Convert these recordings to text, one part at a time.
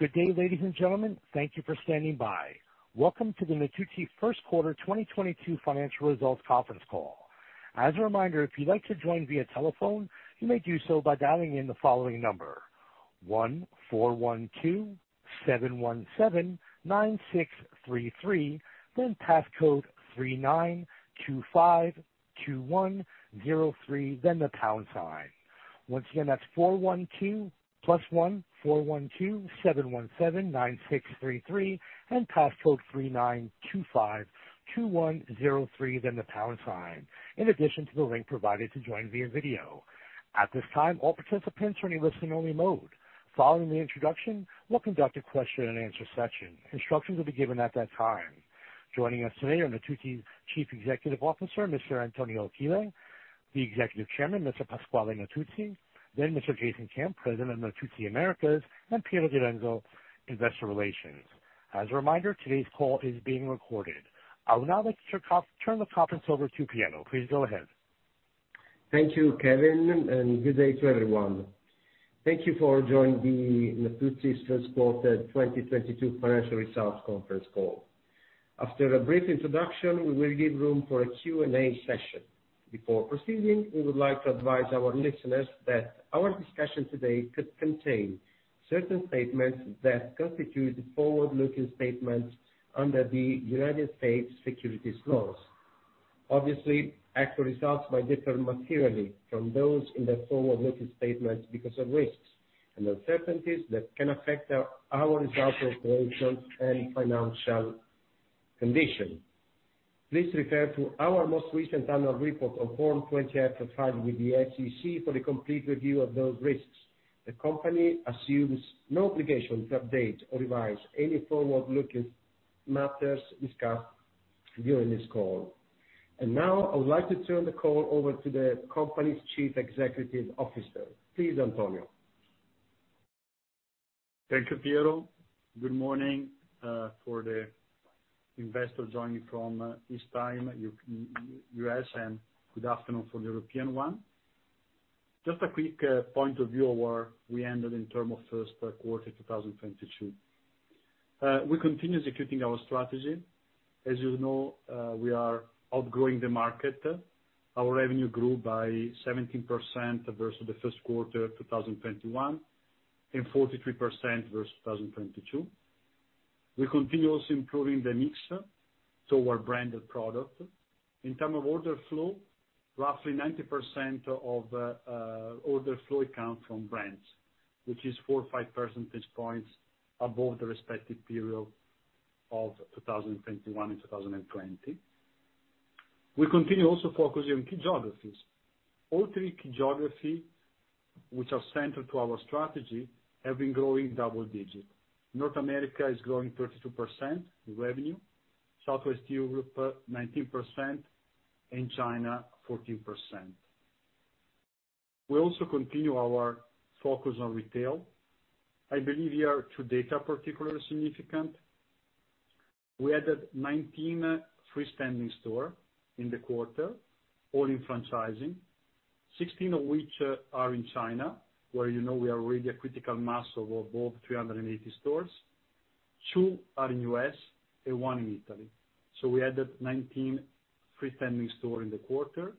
Good day, ladies and gentlemen. Thank you for standing by. Welcome to the Natuzzi first quarter 2022 financial results conference call. As a reminder, if you'd like to join via telephone, you may do so by dialing in the following number, 1-412-717-9633, then passcode 39252103, then the pound sign. Once again, that's 412, +1-412-717-9633 and passcode 39252103, then the pound sign, in addition to the link provided to join via video. At this time, all participants are in a listen-only mode. Following the introduction, we'll conduct a Q&A session. Instructions will be given at that time. Joining us today are Natuzzi Chief Executive Officer, Mr. Antonio Achille, the Executive Chairman, Mr. Pasquale Natuzzi, then Mr. Jason Camp, President of Natuzzi Americas, and Piero Direnzo, Investor Relations. As a reminder, today's call is being recorded. I will now turn the conference over to Piero. Please go ahead. Thank you, Kevin, and good day to everyone. Thank you for joining Natuzzi's first quarter 2022 financial results conference call. After a brief introduction, we will give room for a Q&A session. Before proceeding, we would like to advise our listeners that our discussion today could contain certain statements that constitute forward-looking statements under the United States securities laws. Obviously, actual results may differ materially from those in the forward-looking statements because of risks and uncertainties that can affect our results of operations and financial condition. Please refer to our most recent annual report on Form 20-F filed with the SEC for the complete review of those risks. The company assumes no obligation to update or revise any forward-looking matters discussed during this call. Now, I would like to turn the call over to the company's Chief Executive Officer. Please, Antonio. Thank you, Piero. Good morning, for the investors joining from Eastern Time, U.S., and good afternoon for the European one. Just a quick point of view of where we ended in terms of first quarter 2022. We continue executing our strategy. As you know, we are outgrowing the market. Our revenue grew by 17% versus the first quarter 2021, and 43% versus 2020. We continue also improving the mix of our branded product. In terms of order flow, roughly 90% of order flow comes from brands, which is four or five percentage points above the respective period of 2021 and 2020. We continue also focusing on key geographies. All three key geographies which are central to our strategy have been growing double digits. North America is growing 32% in revenue, Southwest Europe 19%, and China 14%. We also continue our focus on retail. I believe here two data particularly significant. We added 19 freestanding store in the quarter, all in franchising, 16 of which are in China, where you know we are really a critical mass of above 380 stores. Two are in U.S. and one in Italy. We added 19 freestanding store in the quarter.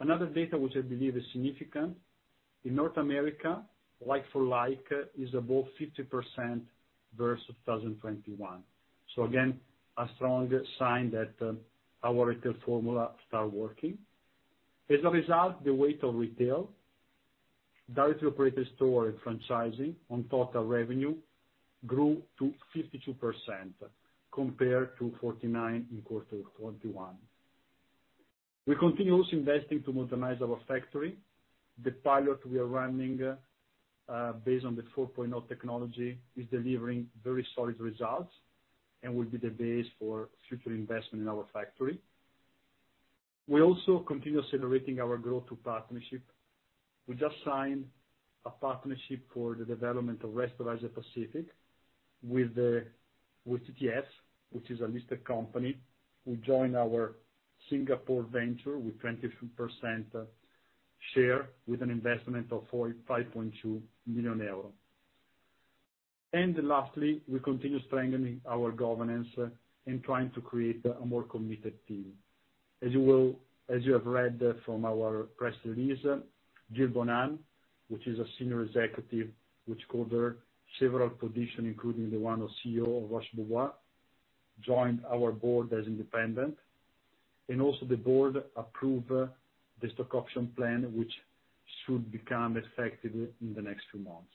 Another data which I believe is significant, in North America, like for like is above 50% versus 2021. Again, a strong sign that, our retail formula start working. As a result, the weight of retail, direct operator store and franchising on total revenue grew to 52% compared to 49% in quarter 2021. We continue also investing to modernize our factory. The pilot we are running based on the 4.0 technology is delivering very solid results and will be the base for future investment in our factory. We also continue accelerating our growth through partnership. We just signed a partnership for the development of rest of Asia Pacific with TTF, which is a listed company, who join our Singapore venture with 22% share with an investment of 5.2 million euro. Lastly, we continue strengthening our governance and trying to create a more committed team. As you have read from our press release, Gilles Bonan, which is a senior executive which cover several position, including the one of CEO of Roche Bobois, joined our board as independent. Also the board approve the stock option plan, which should become effective in the next few months.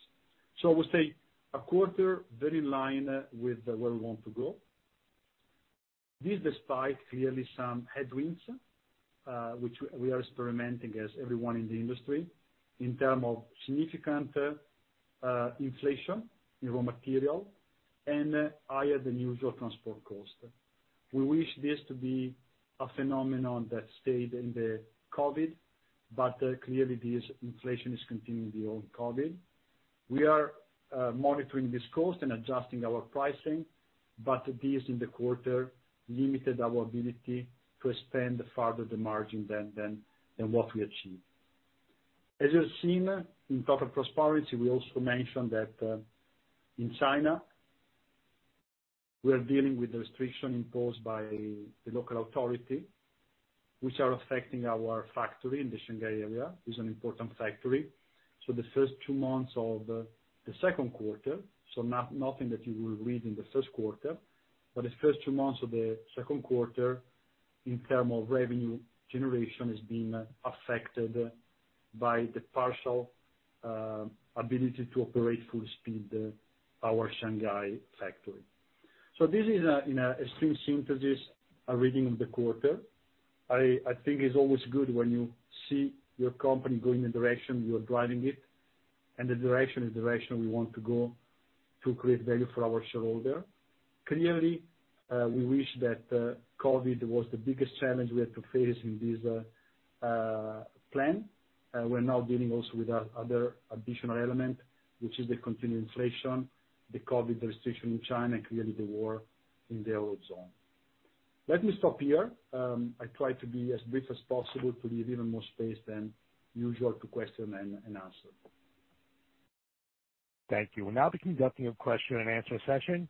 I would say a quarter very in line with where we want to go. This despite clearly some headwinds, which we are experiencing as everyone in the industry, in terms of significant inflation in raw materials and higher than usual transport costs. We wish this to be a phenomenon that stayed in the COVID, but clearly this inflation is continuing beyond COVID. We are monitoring these costs and adjusting our pricing, but this in the quarter limited our ability to expand farther the margin than what we achieved. As you have seen in the press release, we also mentioned that in China, we are dealing with the restrictions imposed by the local authorities, which are affecting our factory in the Shanghai area. It is an important factory. The first two months of the second quarter, nothing that you will read in the first quarter, but the first two months of the second quarter in terms of revenue generation is being affected by the partial ability to operate full speed, our Shanghai factory. This is, in an extreme synthesis, a reading of the quarter. I think it's always good when you see your company going the direction you are driving it, and the direction is the direction we want to go to create value for our shareholder. Clearly, we wish that COVID was the biggest challenge we had to face in this plan. We're now dealing also with other additional element, which is the continued inflation, the COVID restriction in China, and clearly the war in Ukraine. Let me stop here. I try to be as brief as possible to leave even more space than usual to Q&A. Thank you. We'll now be conducting a Q&A session.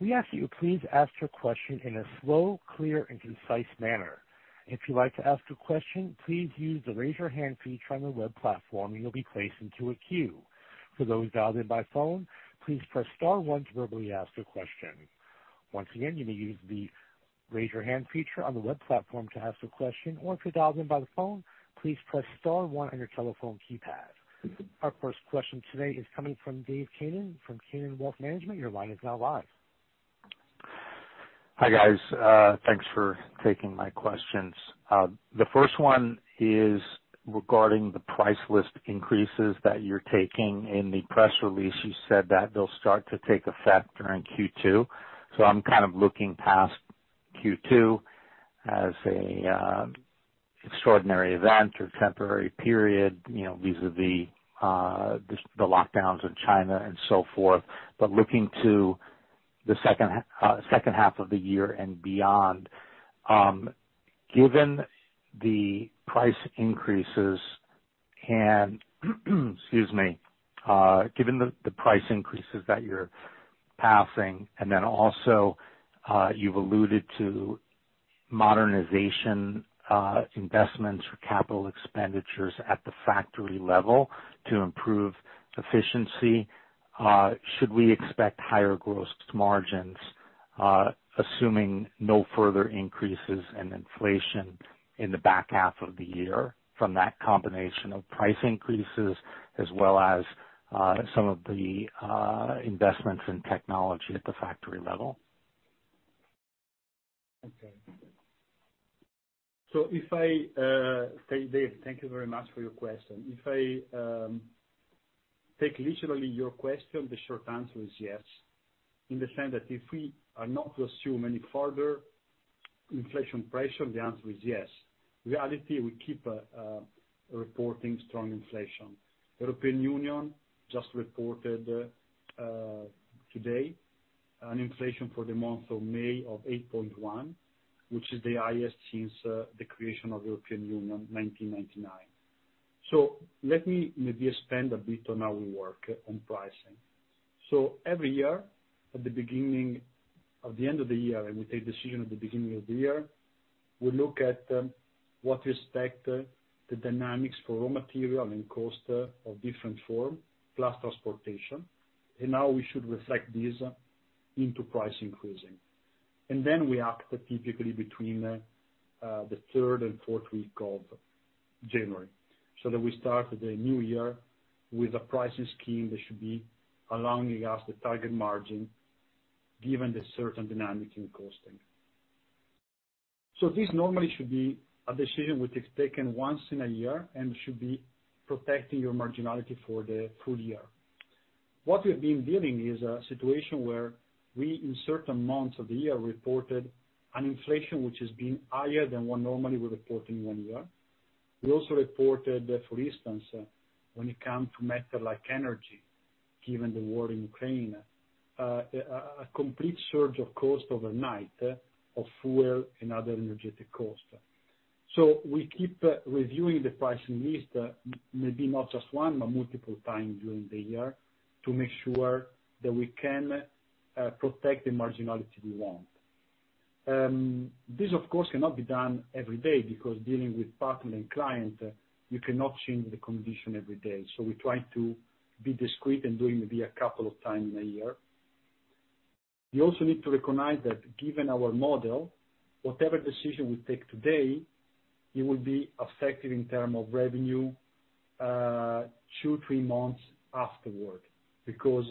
We ask that you please ask your question in a slow, clear and concise manner. If you'd like to ask a question, please use the raise your hand feature on the web platform, and you'll be placed into a queue. For those dialed in by phone, please press star one to verbally ask a question. Once again, you may use the raise your hand feature on the web platform to ask a question, or if you're dialed in by phone, please press star one on your telephone keypad. Our first question today is coming from Dave Kanen from Kanen Wealth Management. Your line is now live. Hi, guys. Thanks for taking my questions. The first one is regarding the price list increases that you're taking. In the press release, you said that they'll start to take effect during Q2, so I'm kind of looking past Q2 as a extraordinary event or temporary period, you know, vis-a-vis the lockdowns in China and so forth. Looking to the second half of the year and beyond, given the price increases that you're passing, and then also, you've alluded to modernization, investments for capital expenditures at the factory level to improve efficiency, should we expect higher gross margins, assuming no further increases in inflation in the back half of the year from that combination of price increases as well as, some of the investments in technology at the factory level? Okay. If I say, Dave, thank you very much for your question. If I take literally your question, the short answer is yes, in the sense that if we are not to assume any further inflation pressure, the answer is yes. In reality, we keep reporting strong inflation. European Union just reported today an inflation for the month of May of 8.1%, which is the highest since the creation of European Union 1999. Let me maybe expand a bit on how we work on pricing. Every year at the end of the year, and we take decision at the beginning of the year, we look at what to expect the dynamics for raw material and cost of different form, plus transportation, and how we should reflect this into price increases. We act typically between the third and fourth week of January, so that we start the new year with a pricing scheme that should be allowing us the target margin given the certain dynamic in costing. This normally should be a decision which is taken once in a year and should be protecting your marginality for the full year. What we've been dealing is a situation where we, in certain months of the year, reported an inflation which has been higher than what normally we're reporting in one year. We also reported that, for instance, when it comes to matter like energy, given the war in Ukraine, a complete surge of cost overnight of fuel and other energetic costs. We keep reviewing the pricing list, maybe not just one, but multiple times during the year to make sure that we can protect the marginality we want. This of course cannot be done every day because dealing with partner and client, you cannot change the condition every day. We try to be discreet in doing maybe a couple of time in a year. We also need to recognize that given our model, whatever decision we take today, it will be effective in term of revenue two-three months afterward because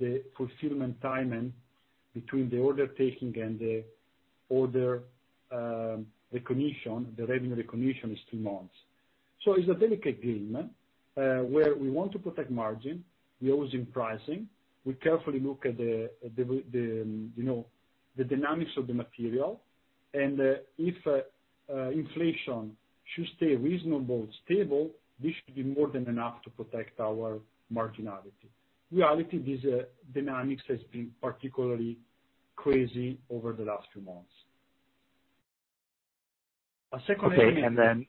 the fulfillment timing between the order taking and the order recognition, the revenue recognition is two months. It's a delicate game where we want to protect margin, we're always in pricing. We carefully look at the you know the dynamics of the material. If inflation should stay reasonably stable, this should be more than enough to protect our marginality. In reality, these dynamics have been particularly crazy over the last few months. A second element. Okay.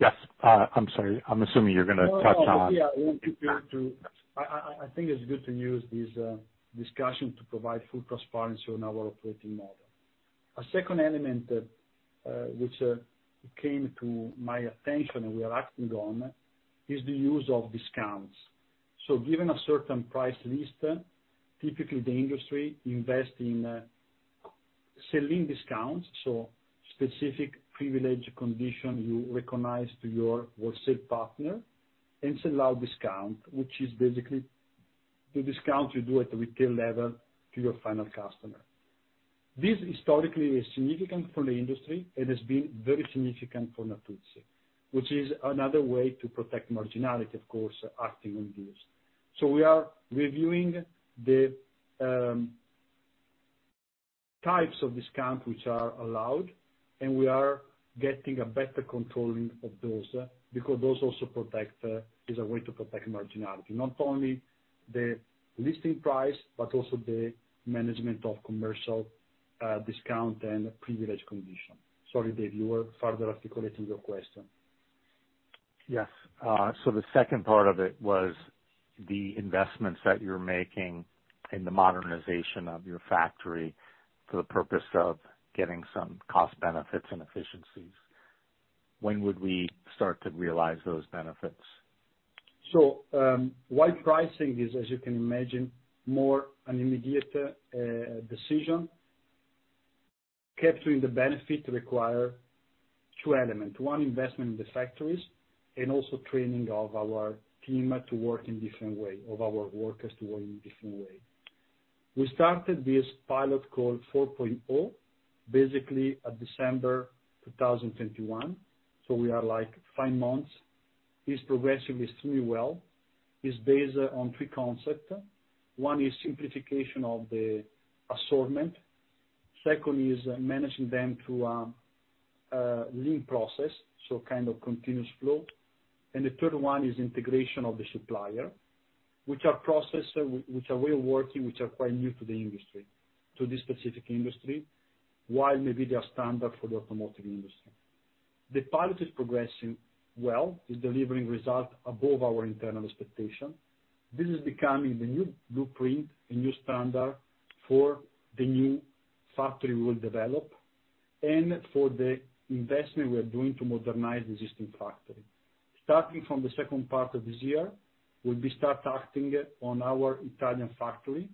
Yes, I'm sorry. I'm assuming you're gonna touch on. No, no. Yeah, I want to go through. I think it's good to use this discussion to provide full transparency on our operating model. A second element, which came to my attention and we are acting on, is the use of discounts. Given a certain price list, typically the industry invest in selling discounts, so specific privileged condition you recognize to your wholesale partner, and sell out discount, which is basically the discount you do at the retail level to your final customer. This historically is significant for the industry and has been very significant for Natuzzi, which is another way to protect marginality, of course, acting on this. We are reviewing the types of discount which are allowed, and we are getting a better controlling of those, because those also protect, is a way to protect marginality. Not only the listing price, but also the management of commercial, discount and privileged condition. Sorry, Dave, you were further articulating your question. Yes. The second part of it was the investments that you're making in the modernization of your factory for the purpose of getting some cost benefits and efficiencies. When would we start to realize those benefits? While pricing is, as you can imagine, more an immediate decision, capturing the benefit require two element. One, investment in the factories, and also training of our team to work in different way, of our workers to work in different way. We started this pilot called 4.0, basically at December 2021, so we are like five months. It's progressively is doing well. It's based on three concept. One is simplification of the assortment. Second is managing them through lean process, so kind of continuous flow. The third one is integration of the suppliers, which are processes, which are way of working, which are quite new to the industry, to this specific industry, while maybe they are standard for the automotive industry. The pilot is progressing well. It's delivering result above our internal expectation. This is becoming the new blueprint, the new standard for the new factory we'll develop, and for the investment we're doing to modernize existing factory. Starting from the second part of this year, we'll start acting on our Italian factory,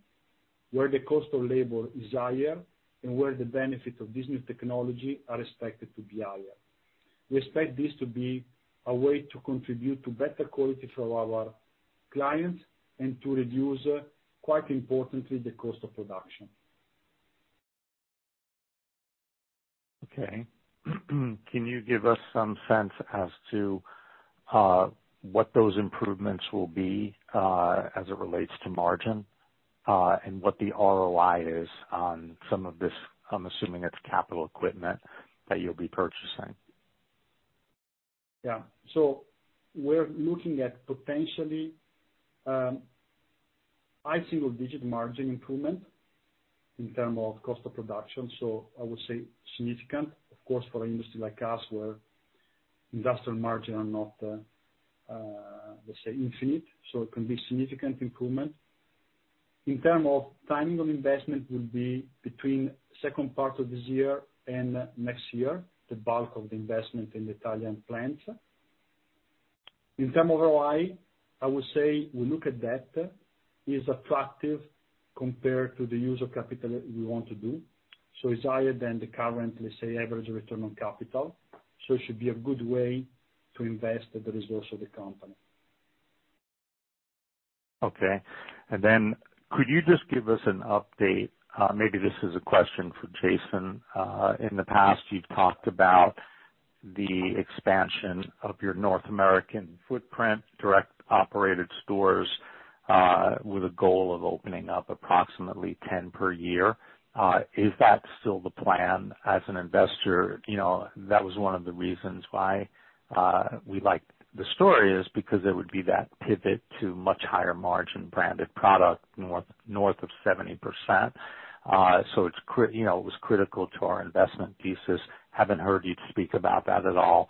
where the cost of labor is higher and where the benefit of this new technology are expected to be higher. We expect this to be a way to contribute to better quality for our clients and to reduce, quite importantly, the cost of production. Okay. Can you give us some sense as to what those improvements will be as it relates to margin and what the ROI is on some of this, I'm assuming it's capital equipment that you'll be purchasing? Yeah. We're looking at potentially high single-digit margin improvement in terms of cost of production, so I would say significant, of course, for an industry like us, where industrial margins are not, let's say, infinite, so it can be significant improvement. In terms of timing on investment will be between second part of this year and next year, the bulk of the investment in Italian plants. In terms of ROI, I would say we look at that as attractive compared to the use of capital we want to do. It's higher than the current, let's say, average return on capital. It should be a good way to invest the resource of the company. Okay. Could you just give us an update, maybe this is a question for Jason. In the past you've talked about the expansion of your North American footprint, direct operated stores, with a goal of opening up approximately 10 per year. Is that still the plan? As an investor, you know, that was one of the reasons why we liked the story is because it would be that pivot to much higher margin branded product north of 70%. So it's, you know, critical to our investment thesis. Haven't heard you speak about that at all.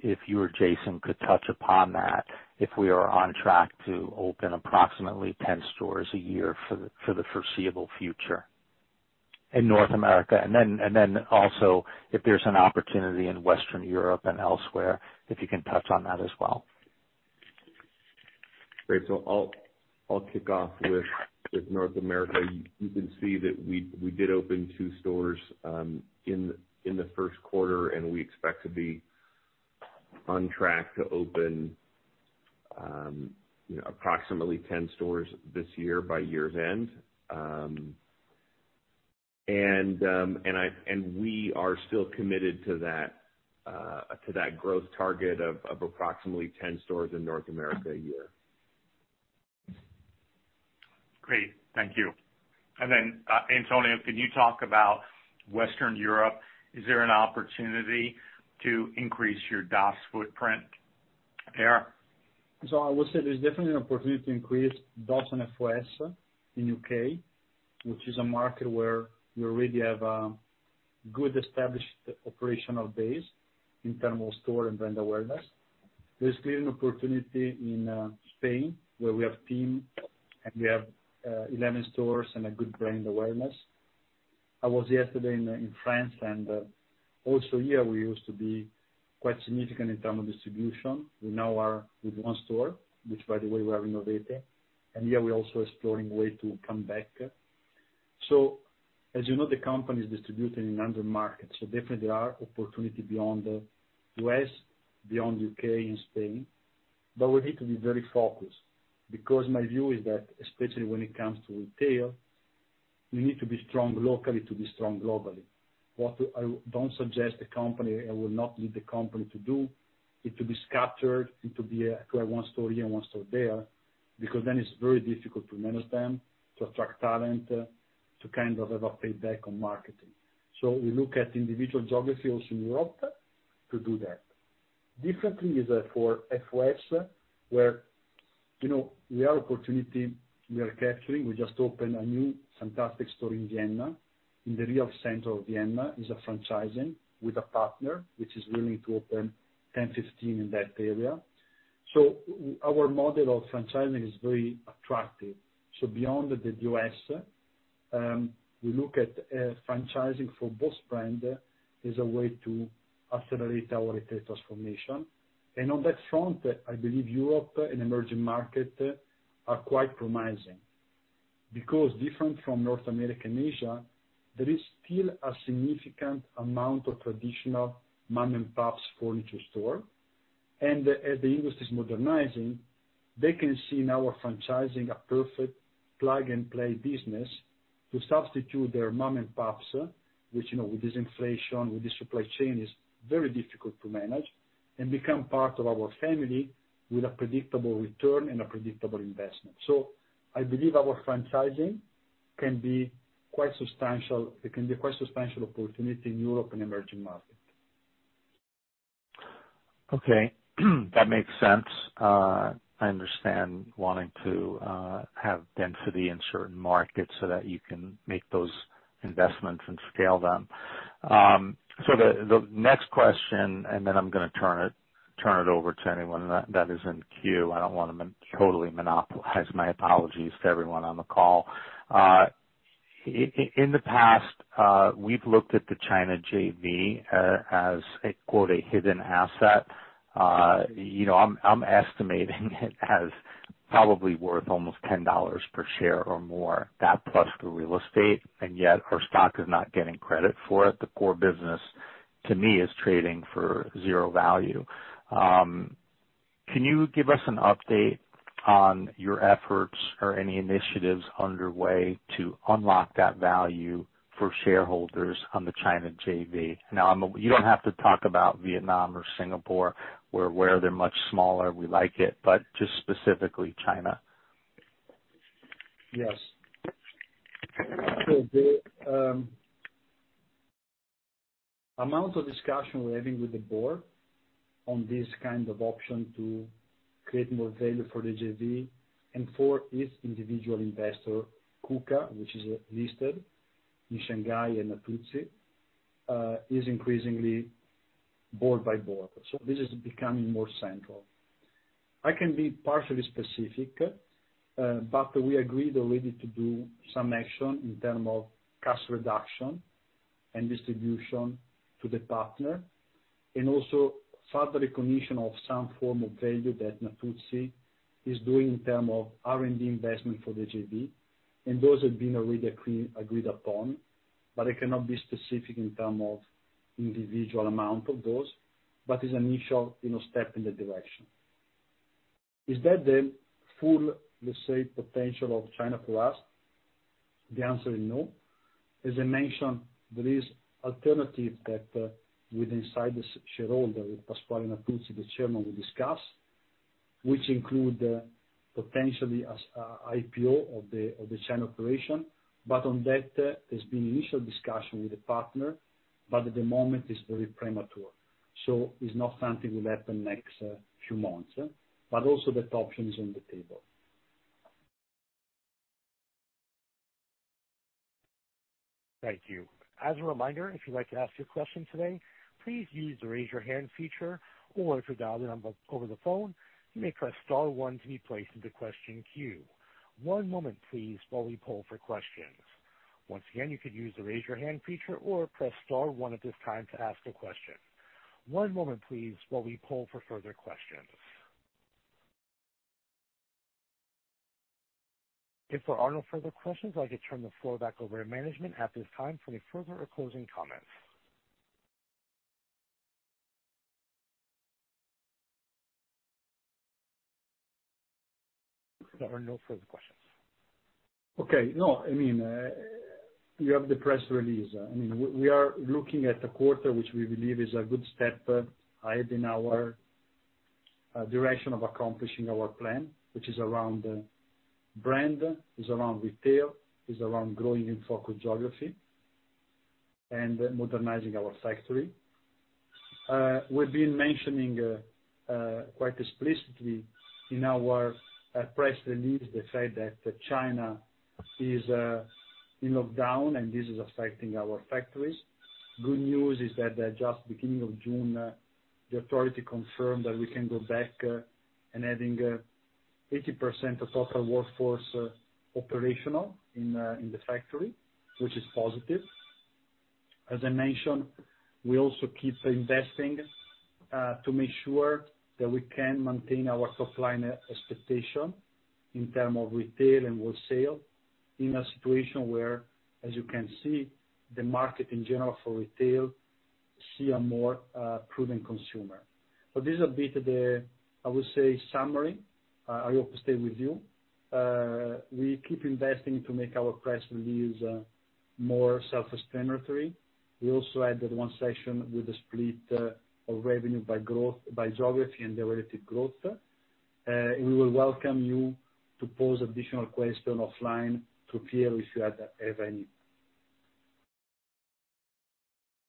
If you or Jason could touch upon that, if we are on track to open approximately 10 stores a year for the foreseeable future in North America. Also if there's an opportunity in Western Europe and elsewhere, if you can touch on that as well? Great. I'll kick off with North America. You can see that we did open two stores in the first quarter, and we expect to be on track to open, you know, approximately 10 stores this year by year's end. We are still committed to that growth target of approximately 10 stores in North America a year. Great. Thank you. Antonio, can you talk about Western Europe? Is there an opportunity to increase your DOS footprint? There are. I would say there's definitely an opportunity to increase DOS and FOS in U.K., which is a market where we already have a good established operational base in terms of store and brand awareness. There's clearly an opportunity in Spain, where we have a team and we have 11 stores and a good brand awareness. I was yesterday in France, and also here we used to be quite significant in terms of distribution. We now are with one store, which by the way we are renovating, and here we're also exploring ways to come back. As you know, the company is distributing in other markets, so definitely there are opportunities beyond U.S., beyond U.K. and Spain, but we need to be very focused because my view is that, especially when it comes to retail, you need to be strong locally to be strong globally. What I won't suggest the company do, I will not want the company to do, is to be scattered and to have one store here and one store there, because then it's very difficult to manage them, to attract talent, to kind of have a payback on marketing. We look at individual geographies in Europe to do that. Differently is for FOS, where, you know, we have opportunities we are capturing. We just opened a new fantastic store in Vienna, in the real center of Vienna. It is a franchising with a partner which is willing to open 10, 15 in that area. Our model of franchising is very attractive. Beyond the U.S., we look at franchising for both brand as a way to accelerate our retail transformation. On that front, I believe Europe and emerging market are quite promising because different from North America and Asia, there is still a significant amount of traditional mom and pops furniture store. As the industry is modernizing, they can see now our franchising a perfect plug and play business to substitute their mom and pops, which, you know, with this inflation, with the supply chain, is very difficult to manage and become part of our family with a predictable return and a predictable investment. I believe our franchising can be quite substantial. It can be quite substantial opportunity in Europe and emerging markets. Okay. That makes sense. I understand wanting to have density in certain markets so that you can make those investments and scale them. The next question, and then I'm gonna turn it over to anyone that is in queue. I don't wanna totally monopolize. My apologies to everyone on the call. In the past, we've looked at the China JV as quote a hidden asset. You know, I'm estimating it as probably worth almost $10 per share or more, that plus the real estate, and yet our stock is not getting credit for it. The core business to me is trading for zero value. Can you give us an update on your efforts or any initiatives underway to unlock that value for shareholders on the China JV? You don't have to talk about Vietnam or Singapore. We're aware they're much smaller. We like it, but just specifically China. Yes. The amount of discussion we're having with the board on this kind of option to create more value for the JV and for its individual investor, Kuka, which is listed in Shanghai and Natuzzi, is increasingly board by board. This is becoming more central. I can be partially specific, but we agreed already to do some action in terms of cost reduction and distribution to the partner, and also further recognition of some form of value that Natuzzi is doing in terms of R&D investment for the JV. Those have been already agreed upon, but I cannot be specific in terms of individual amount of those, but it's an initial, you know, step in the direction. Is that the full, let's say, potential of China for us? The answer is no. As I mentioned, there is an alternative that within the shareholder with Pasquale Natuzzi, the Chairman, will discuss, which include potentially an IPO of the China operation. On that, there's been initial discussion with the partner, but at the moment it's very premature, so it's not something will happen next few months, but also that option is on the table. Thank you. As a reminder, if you'd like to ask your question today, please use the raise your hand feature, or if you dial the number over the phone, you may press star one to be placed into question queue. One moment please while we poll for questions. Once again, you could use the raise your hand feature or press star one at this time to ask a question. One moment please while we poll for further questions. If there are no further questions, I'll just turn the floor back over to management at this time for any further or closing comments. There are no further questions. Okay. No, I mean, you have the press release. I mean, we are looking at a quarter which we believe is a good step ahead in our direction of accomplishing our plan, which is around brand, is around retail, is around growing in focused geography, and modernizing our factory. We've been mentioning quite explicitly in our press release the fact that China is in lockdown and this is affecting our factories. Good news is that at just beginning of June, the authority confirmed that we can go back and adding 80% of total workforce operational in the factory, which is positive. As I mentioned, we also keep investing to make sure that we can maintain our top-line expectation in term of retail and wholesale in a situation where, as you can see, the market in general for retail see a more prudent consumer. This is a bit the, I would say, summary. I hope it stayed with you. We keep investing to make our press release more self-explanatory. We also added one section with a split of revenue by growth, by geography and the relative growth. We will welcome you to pose additional question offline to Piero if you have any.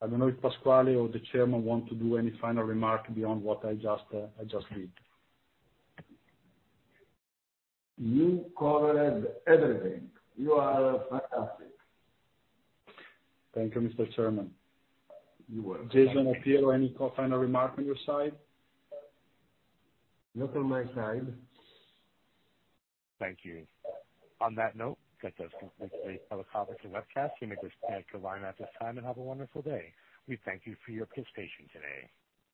I don't know if Pasquale or the chairman want to do any final remark beyond what I just read. You covered everything. You are fantastic. Thank you, Mr. Chairman. You are welcome. Jason or Piero, any final remark on your side? Not on my side. Thank you. On that note, that does conclude today's teleconference and webcast. You may disconnect your line at this time and have a wonderful day. We thank you for your participation today.